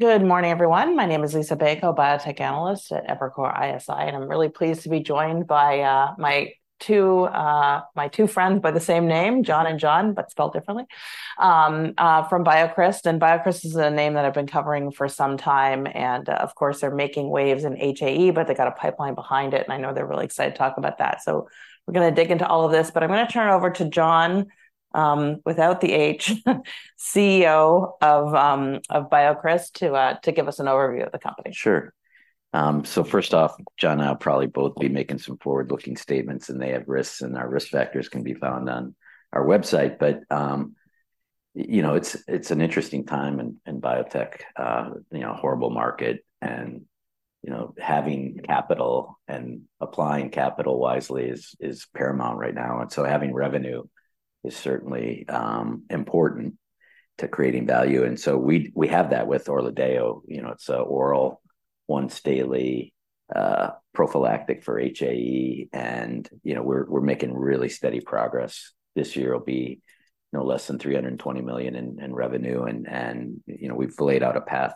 Good morning, everyone. My name is Liisa Bayko, Biotech Analyst at Evercore ISI, and I'm really pleased to be joined by my two friends by the same name, John and Jon, but spelled differently, from BioCryst. BioCryst is a name that I've been covering for some time, and of course, they're making waves in HAE, but they've got a pipeline behind it, and I know they're really excited to talk about that. So we're gonna dig into all of this, but I'm gonna turn it over to Jon, without the H, CEO of BioCryst, to give us an overview of the company. Sure. So first off, John and I will probably both be making some forward-looking statements, and they have risks, and our risk factors can be found on our website. But you know, it's an interesting time in biotech. You know, horrible market, and you know, having capital and applying capital wisely is paramount right now, and so having revenue is certainly important to creating value. And so we have that with ORLADEYO. You know, it's an oral, once-daily prophylactic for HAE, and you know, we're making really steady progress. This year will be, you know, less than $320 million in revenue, and you know, we've laid out a path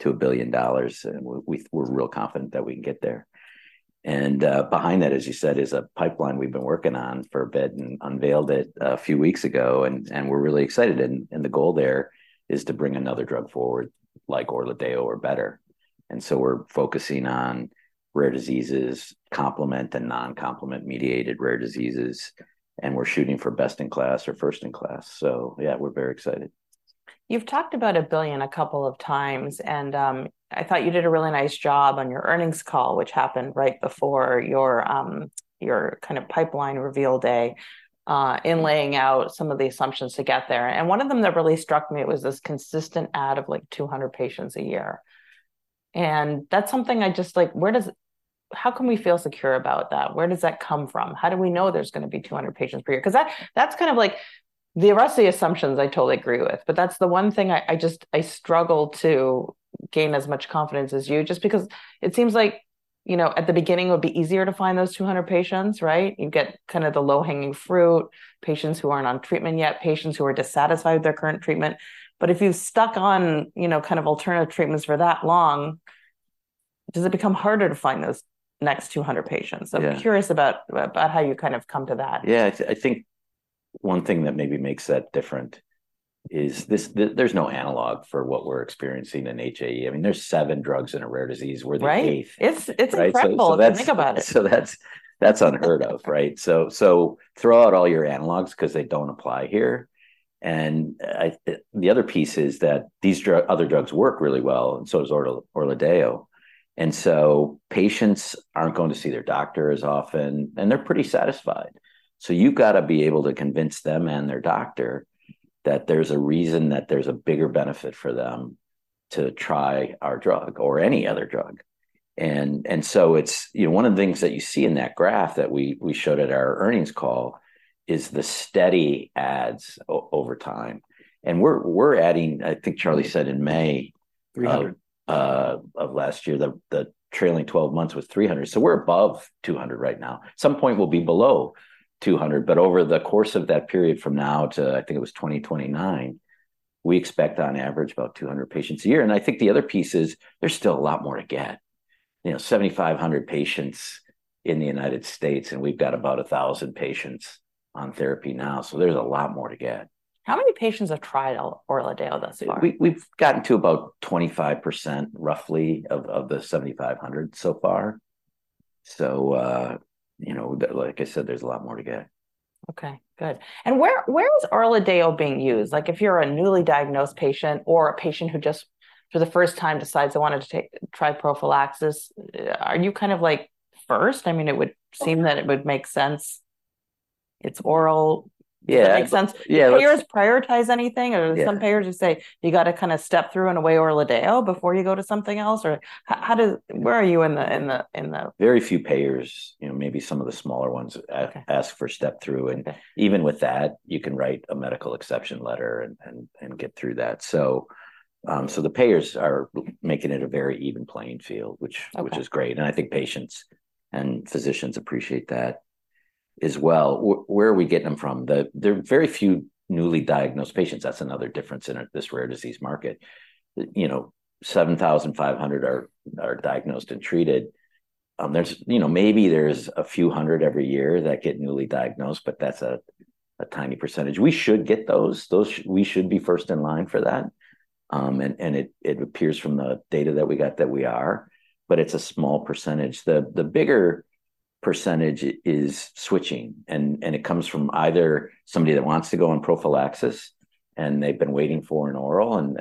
to $1 billion, and we're real confident that we can get there. Behind that, as you said, is a pipeline we've been working on for a bit and unveiled it a few weeks ago, and we're really excited, and the goal there is to bring another drug forward, like ORLADEYO or better. So we're focusing on rare diseases, complement and non-complement mediated rare diseases, and we're shooting for best-in-class or first-in-class. Yeah, we're very excited. You've talked about $1 billion a couple of times, and I thought you did a really nice job on your earnings call, which happened right before your, your kind of pipeline reveal day, in laying out some of the assumptions to get there. And one of them that really struck me was this consistent add of, like, 200 patients a year, and that's something I just like... How can we feel secure about that? Where does that come from? How do we know there's gonna be 200 patients per year? 'Cause that, that's kind of like, the rest of the assumptions I totally agree with, but that's the one thing I just struggle to gain as much confidence as you. Just because it seems like, you know, at the beginning, it would be easier to find those 200 patients, right? You'd get kind of the low-hanging fruit, patients who aren't on treatment yet, patients who are dissatisfied with their current treatment. But if you've stuck on, you know, kind of alternative treatments for that long, does it become harder to find those next 200 patients? Yeah. I'm curious about how you kind of come to that. Yeah, I think one thing that maybe makes that different is this... There's no analogue for what we're experiencing in HAE. I mean, there's seven drugs in a rare disease. We're the eighth. Right. It's, it's incredible- Right, so that's- If you think about it. So that's, that's unheard of, right? So, so throw out all your analogues 'cause they don't apply here. And, the other piece is that these other drugs work really well, and so does ORLADEYO. And so patients aren't going to see their doctor as often, and they're pretty satisfied. So you've gotta be able to convince them and their doctor that there's a reason, that there's a bigger benefit for them to try our drug or any other drug. And, so it's... You know, one of the things that you see in that graph that we showed at our earnings call is the steady adds over time, and we're adding, I think Charlie said in May- Three hundred... of last year, the trailing twelve months was 300, so we're above 200 right now. At some point we'll be below 200, but over the course of that period from now to, I think it was 2029, we expect on average about 200 patients a year. And I think the other piece is there's still a lot more to get. You know, 7,500 patients in the United States, and we've got about 1,000 patients on therapy now, so there's a lot more to get. How many patients have tried ORLADEYO thus far? We've gotten to about 25%, roughly, of the 7,500 so far. So, you know, like I said, there's a lot more to get. Okay, good. And where is ORLADEYO being used? Like, if you're a newly diagnosed patient or a patient who just for the first time decides I wanted to try prophylaxis, are you kind of, like, first? I mean, it would seem that it would make sense. It's oral. Yeah. It makes sense. Yeah, that's- Do payers prioritize anything? Yeah. Or do some payers just say, "You gotta kind of step through and weigh ORLADEYO before you go to something else?" Or how does... Where are you in the- Very few payers, you know, maybe some of the smaller ones- Okay ask for step through, and- Okay... even with that, you can write a medical exception letter and, and get through that. So, so the payers are making it a very even playing field, which- Okay... which is great, and I think patients and physicians appreciate that as well. Where are we getting them from? There are very few newly diagnosed patients. That's another difference in this rare disease market. You know, 7,500 are diagnosed and treated. There's, you know, maybe a few hundred every year that get newly diagnosed, but that's a tiny percentage. We should get those. Those, we should be first in line for that, and it appears from the data that we got that we are, but it's a small percentage. The bigger percentage is switching, and it comes from either somebody that wants to go on prophylaxis, and they've been waiting for an oral, and...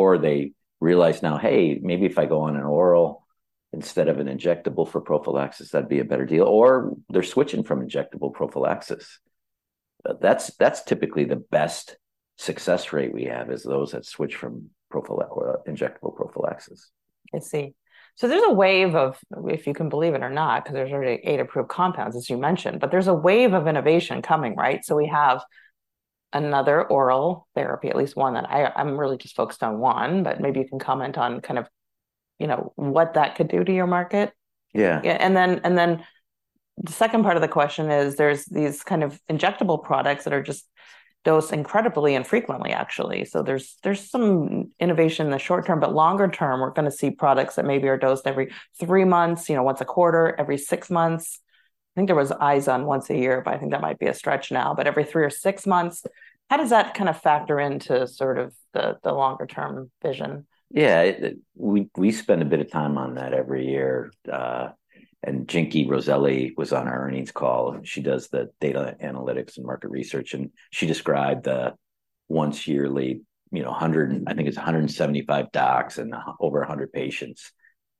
Or they realize now, "Hey, maybe if I go on an oral instead of an injectable for prophylaxis, that'd be a better deal," or they're switching from injectable prophylaxis. But that's, that's typically the best success rate we have, is those that switch from or injectable prophylaxis. I see. So there's a wave of, if you can believe it or not, 'cause there's already eight approved compounds, as you mentioned, but there's a wave of innovation coming, right? So we have another oral therapy, at least one that I'm really just focused on one, but maybe you can comment on kind of, you know, what that could do to your market. Yeah. Yeah, the second part of the question is, there's these kind of injectable products that are just dosed incredibly infrequently, actually. So there's some innovation in the short term, but longer term, we're gonna see products that maybe are dosed every three months, you know, once a quarter, every six months. I think there was eyes on once a year, but I think that might be a stretch now, but every three or six months. How does that kind of factor into sort of the longer term vision? Yeah, we, we spend a bit of time on that every year. And Jinky Rosselli was on our earnings call, and she does the data analytics and market research, and she described the once yearly, you know, 100—I think it's 175 docs and over 100 patients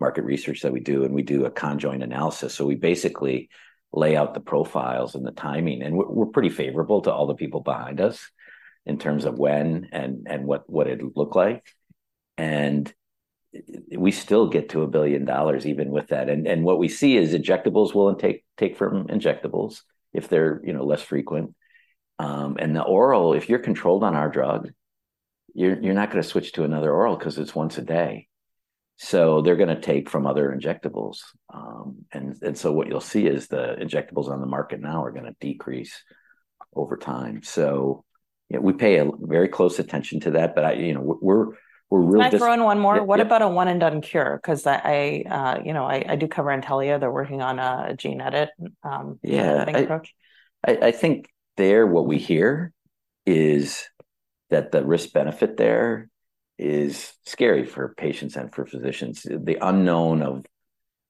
market research that we do, and we do a conjoint analysis. So we basically lay out the profiles and the timing, and we're, we're pretty favorable to all the people behind us in terms of when and, and what, what it'd look like. And what we see is injectables will take from injectables if they're, you know, less frequent. And the oral, if you're controlled on our drug, you're not gonna switch to another oral 'cause it's once a day. So they're gonna take from other injectables. And so what you'll see is the injectables on the market now are gonna decrease over time. So, yeah, we pay a very close attention to that, but I... You know, we're really just- Can I throw in one more? Yeah, yeah. What about a one-and-done cure? 'Cause I, you know, I do cover Intellia. They're working on a gene edit approach. Yeah. I think what we hear is that the risk-benefit there is scary for patients and for physicians. The unknown of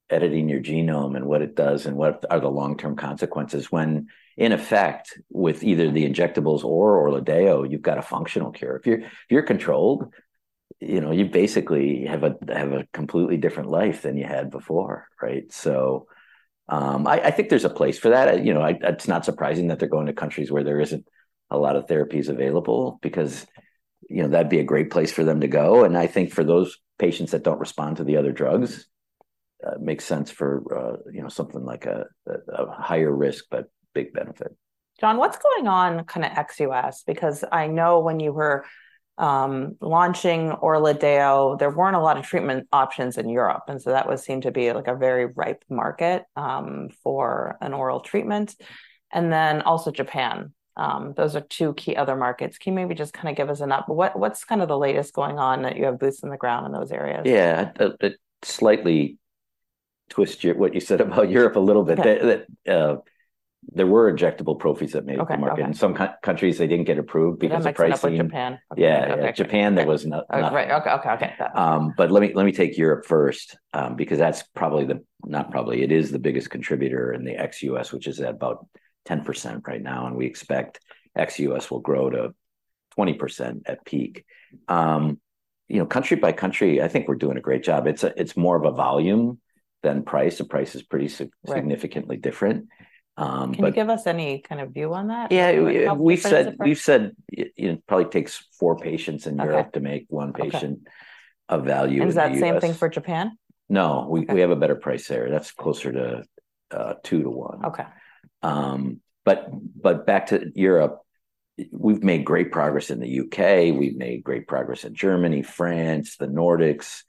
editing your genome, and what it does, and what are the long-term consequences, when in effect, with either the injectables or ORLADEYO, you've got a functional cure. If you're controlled, you know, you basically have a completely different life than you had before, right? So, I think there's a place for that. You know, it's not surprising that they're going to countries where there isn't a lot of therapies available because, you know, that'd be a great place for them to go, and I think for those patients that don't respond to the other drugs, makes sense for, you know, something like a higher risk, but big benefit. Jon, what's going on kind of ex-U.S.? Because I know when you were launching ORLADEYO, there weren't a lot of treatment options in Europe, and so that would seem to be, like, a very ripe market for an oral treatment, and then also Japan. Those are two key other markets. Can you maybe just kind of give us what's kind of the latest going on that you have boots on the ground in those areas? Yeah. But slightly twist your, what you said about Europe a little bit. Okay. There were injectable prophys that made the market. Okay. Okay. In some countries, they didn't get approved because of pricing. That makes sense with Japan. Yeah. Okay, okay. Japan, there was no- Oh, great. Okay, okay, okay. But let me, let me take Europe first, because that's probably the... Not probably, it is the biggest contributor in the ex US, which is at about 10% right now, and we expect ex US will grow to 20% at peak. You know, country by country, I think we're doing a great job. It's a, it's more of a volume than price. The price is pretty sig- Right... significantly different. But- Can you give us any kind of view on that? Yeah. Can you help us with the price? We've said it. It probably takes four patients in Europe- Okay... to make one patient- Okay... of value in the U.S. Is that the same thing for Japan? No- Okay... we, we have a better price there. That's closer to 2 to 1. Okay. But, but back to Europe, we've made great progress in the U.K. We've made great progress in Germany, France, the Nordics.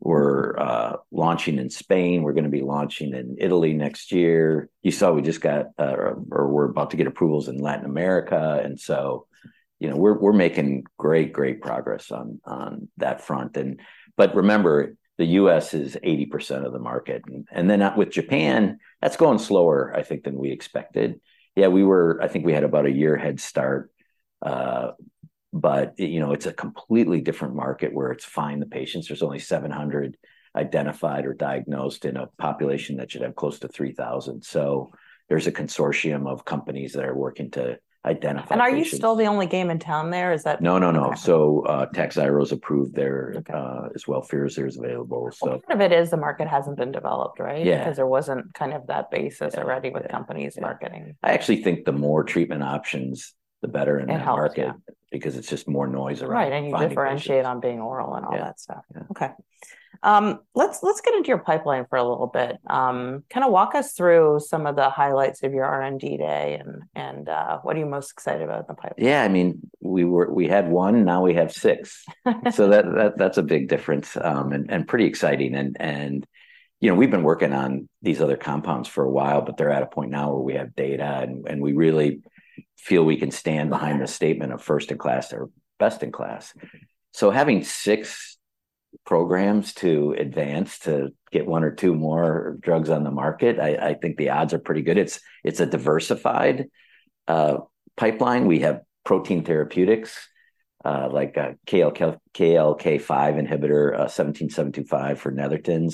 We're launching in Spain. We're gonna be launching in Italy next year. You saw we just got, or, or we're about to get approvals in Latin America, and so, you know, we're making great, great progress on that front, and... But remember, the U.S. is 80% of the market. And then, with Japan, that's going slower, I think, than we expected. Yeah, we were. I think we had about a year head start, but, you know, it's a completely different market where it's find the patients. There's only 700 identified or diagnosed in a population that should have close to 3,000. So there's a consortium of companies that are working to identify patients. Are you still the only game in town there? Is that- No, no, no. Okay. So, Takhzyro's approved there- Okay... as well. Firazyr is available, so- Part of it is the market hasn't been developed, right? Yeah. 'Cause there wasn't kind of that basis already- Yeah... with companies marketing. I actually think the more treatment options, the better in the market- It helps, yeah. ... because it's just more noise around finding patients. Right, and you differentiate on being oral and all that stuff. Yeah. Yeah. Okay. Let's get into your pipeline for a little bit. Kind of walk us through some of the highlights of your R&D Day, and what are you most excited about in the pipeline? Yeah, I mean, we had one, and now we have six. So that's a big difference, and pretty exciting. And you know, we've been working on these other compounds for a while, but they're at a point now where we have data, and we really feel we can stand behind- Yeah... the statement of first-in-class or best-in-class. So having six programs to advance to get one or two more drugs on the market, I think the odds are pretty good. It's a diversified pipeline. We have protein therapeutics, like a KLK5 inhibitor, 1775 for Netherton,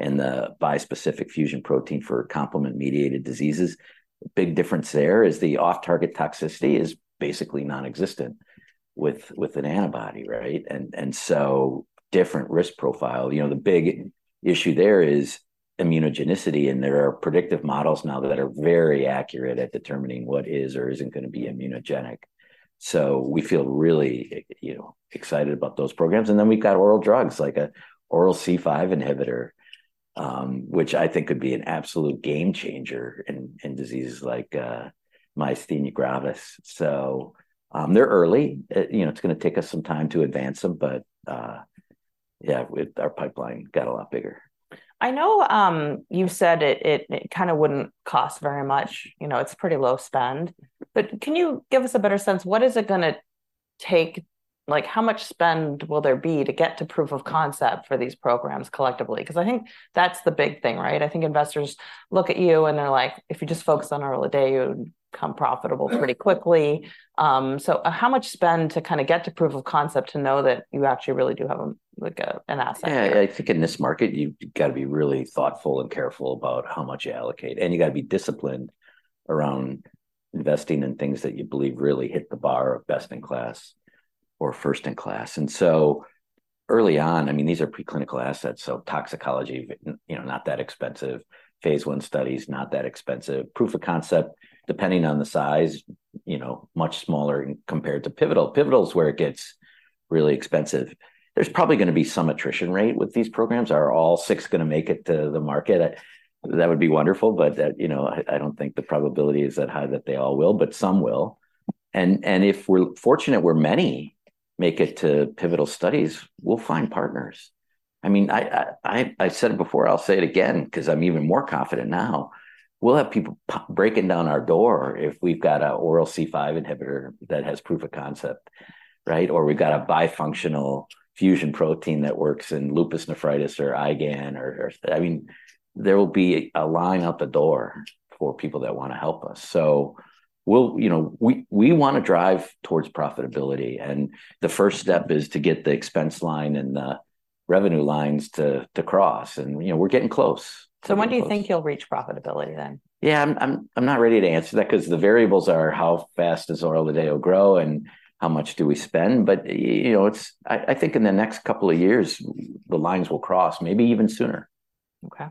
and the bispecific fusion protein for complement-mediated diseases. Big difference there is the off-target toxicity is basically non-existent with an antibody, right? And so different risk profile. You know, the big issue there is immunogenicity, and there are predictive models now that are very accurate at determining what is or isn't gonna be immunogenic. So we feel really, you know, excited about those programs. And then we've got oral drugs, like an oral C5 inhibitor, which I think could be an absolute game changer in diseases like myasthenia gravis. So, they're early. You know, it's gonna take us some time to advance them, but yeah, with our pipeline got a lot bigger. I know, you've said it, it kind of wouldn't cost very much, you know, it's pretty low spend. But can you give us a better sense, what is it gonna take? Like, how much spend will there be to get to proof of concept for these programs collectively? 'Cause I think that's the big thing, right? I think investors look at you, and they're like, "If you just focus on ORLADEYO, you'd become profitable pretty quickly." So how much spend to kind of get to proof of concept to know that you actually really do have a, like a, an asset? Yeah. I think in this market, you've gotta be really thoughtful and careful about how much you allocate, and you gotta be disciplined around investing in things that you believe really hit the bar of best-in-class or first-in-class. And so early on... I mean, these are preclinical assets, so toxicology, you know, not that expensive. Phase I study is not that expensive. Proof of concept, depending on the size, you know, much smaller compared to pivotal. Pivotal is where it gets really expensive. There's probably gonna be some attrition rate with these programs. Are all six gonna make it to the market? That would be wonderful, but, you know, I, I don't think the probability is that high that they all will, but some will. And, and if we're fortunate where many make it to pivotal studies, we'll find partners. I mean, I've said it before, I'll say it again, 'cause I'm even more confident now, we'll have people breaking down our door if we've got an oral C5 inhibitor that has proof of concept, right? Or we've got a bifunctional fusion protein that works in lupus nephritis or IgAN, or... I mean, there will be a line out the door for people that wanna help us. So we'll, you know, we wanna drive towards profitability, and the first step is to get the expense line and the revenue lines to cross, and, you know, we're getting close. So when do you think you'll reach profitability then? Yeah, I'm not ready to answer that, 'cause the variables are, how fast does ORLADEYO grow, and how much do we spend? But, you know, it's – I think in the next couple of years, the lines will cross, maybe even sooner. Okay.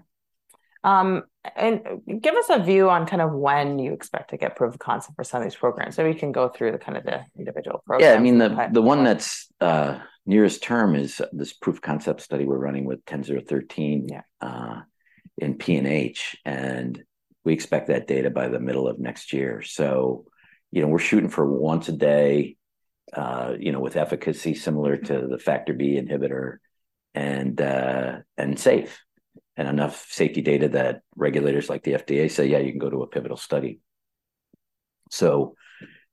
And give us a view on kind of when you expect to get proof of concept for some of these programs, so we can go through the kind of the individual programs- Yeah, I mean- Okay... the one that's nearest term is this proof of concept study we're running with 10-013 in PNH, and we expect that data by the middle of next year. So, you know, we're shooting for once a day, you know, with efficacy similar to the Factor B inhibitor, and safe, and enough safety data that regulators like the FDA say, "Yeah, you can go to a pivotal study." So,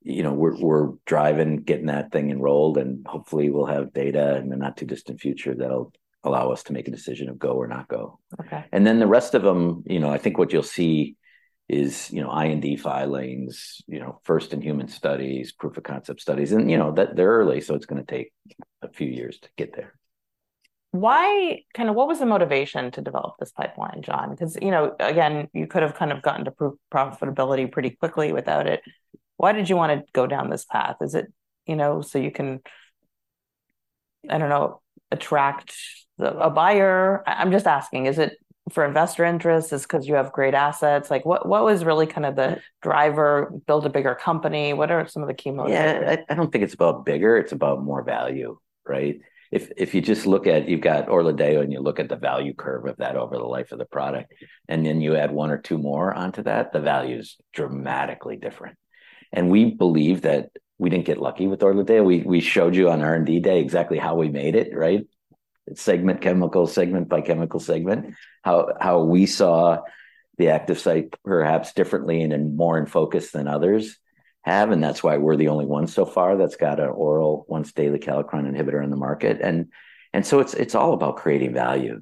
you know, we're driving, getting that thing enrolled, and hopefully, we'll have data in the not-too-distant future that'll allow us to make a decision of go or not go. Okay. And then the rest of them, you know, I think what you'll see is, you know, IND filings, you know, first in human studies, proof of concept studies, and, you know, they're early, so it's gonna take a few years to get there. Why... kind of what was the motivation to develop this pipeline, Jon? Because, you know, again, you could have kind of gotten to profitability pretty quickly without it. Why did you wanna go down this path? Is it, you know, so you can, I don't know, attract a buyer? I'm just asking, is it for investor interest? Is it 'cause you have great assets? Like, what, what was really kind of the driver, build a bigger company? What are some of the key motives? Yeah. I, I don't think it's about bigger, it's about more value, right? If, if you just look at—you've got ORLADEYO, and you look at the value curve of that over the life of the product, and then you add one or two more onto that, the value's dramatically different. And we believe that we didn't get lucky with ORLADEYO. We, we showed you on R&D Day exactly how we made it, right? SAR chemical, SAR by chemical SAR, how, how we saw the active site perhaps differently and in more in focus than others have, and that's why we're the only ones so far that's got an oral once-daily kallikrein inhibitor in the market. And, and so it's, it's all about creating value.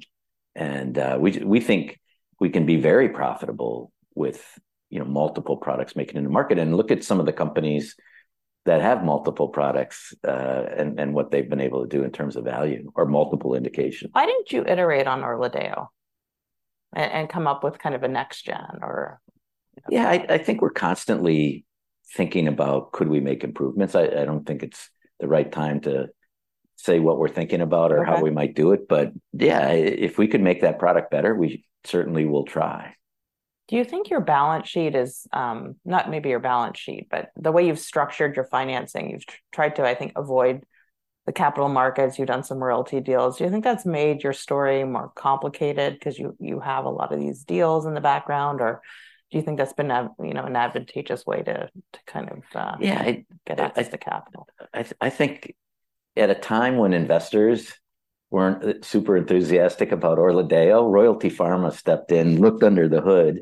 And we think we can be very profitable with, you know, multiple products making it into market. Look at some of the companies that have multiple products, and what they've been able to do in terms of value or multiple indications. Why didn't you iterate on ORLADEYO and come up with kind of a next gen or... Yeah, I think we're constantly thinking about: Could we make improvements? I don't think it's the right time to say what we're thinking about- Okay... or how we might do it, but yeah, if we could make that product better, we certainly will try. Do you think your balance sheet is... Not maybe your balance sheet, but the way you've structured your financing, you've tried to, I think, avoid the capital markets. You've done some royalty deals. Do you think that's made your story more complicated because you, you have a lot of these deals in the background, or do you think that's been a, you know, an advantageous way to, to kind of... Yeah, I- get access to capital? I think at a time when investors weren't super enthusiastic about ORLADEYO, Royalty Pharma stepped in, looked under the hood,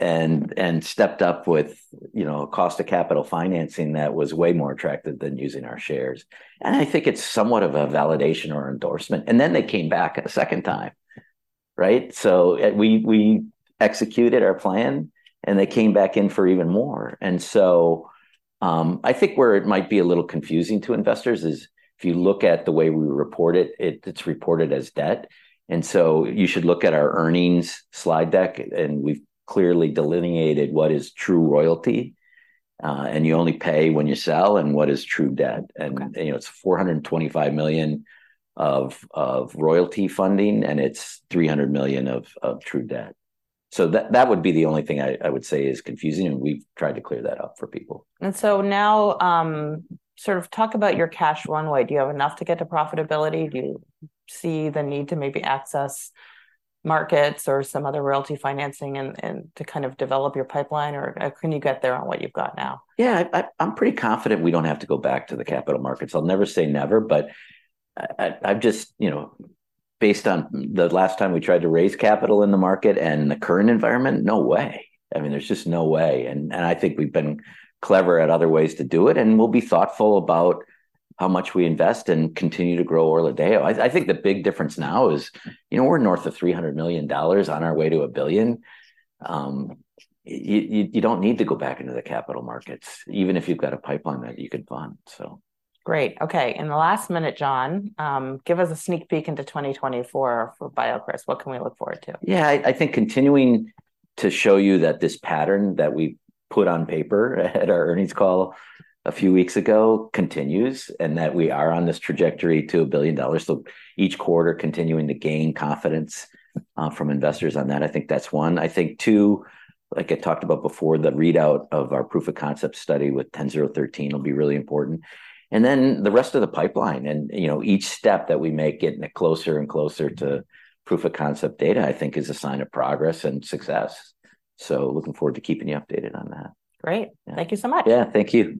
and stepped up with, you know, cost of capital financing that was way more attractive than using our shares. And I think it's somewhat of a validation or endorsement, and then they came back a second time, right? So, we executed our plan, and they came back in for even more. And so, I think where it might be a little confusing to investors is, if you look at the way we report it, it's reported as debt, and so you should look at our earnings slide deck, and we've clearly delineated what is true royalty, and you only pay when you sell, and what is true debt. Okay. You know, it's $425 million of royalty funding, and it's $300 million of true debt. So that would be the only thing I would say is confusing, and we've tried to clear that up for people. Now, sort of talk about your cash runway. Do you have enough to get to profitability? Do you see the need to maybe access markets or some other royalty financing and to kind of develop your pipeline, or can you get there on what you've got now? Yeah, I'm pretty confident we don't have to go back to the capital markets. I'll never say never, but I've just, you know, based on the last time we tried to raise capital in the market and the current environment, no way. I mean, there's just no way, and I think we've been clever at other ways to do it, and we'll be thoughtful about how much we invest and continue to grow ORLADEYO. I think the big difference now is, you know, we're north of $300 million, on our way to $1 billion. You don't need to go back into the capital markets, even if you've got a pipeline that you could fund, so... Great. Okay, in the last minute, Jon, give us a sneak peek into 2024 for BioCryst. What can we look forward to? Yeah, I think continuing to show you that this pattern that we put on paper at our earnings call a few weeks ago continues, and that we are on this trajectory to $1 billion. So each quarter, continuing to gain confidence from investors on that, I think that's one. I think two, like I talked about before, the readout of our proof of concept study with 10-013 will be really important, and then the rest of the pipeline. And, you know, each step that we make getting it closer and closer to proof of concept data, I think is a sign of progress and success. So looking forward to keeping you updated on that. Great. Yeah. Thank you so much. Yeah, thank you.